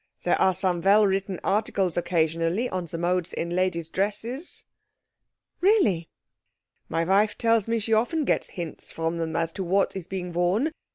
"There are some well written articles occasionally on the modes in ladies' dresses." "Really?" "My wife tells me she often gets hints from them as to what is being worn.